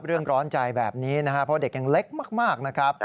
ร้อนใจแบบนี้นะครับเพราะเด็กยังเล็กมากนะครับ